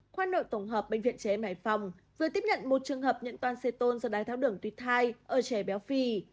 khoa nội tổng hợp bệnh viện chế mải phòng vừa tiếp nhận một trường hợp nhận toan xê tôn do đai tháo đường tuyết thai ở trẻ béo phi